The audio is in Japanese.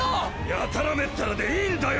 やたらめったらでいいんだよ。